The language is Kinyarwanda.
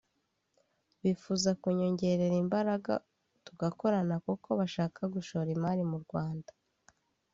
bifuza kunyongerera imbaraga tugakorana kuko bashaka gushora imari mu Rwanda